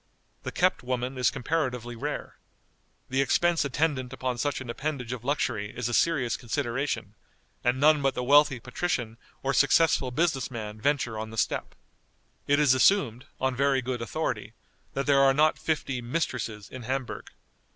The kept woman is comparatively rare. The expense attendant upon such an appendage of luxury is a serious consideration, and none but the wealthy patrician or successful business man venture on the step. It is assumed, on very good authority, that there are not fifty "mistresses" in Hamburg.